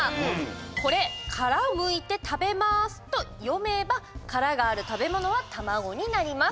「これ、からむいて食べまーす」と読めば殻がある食べ物は卵になります。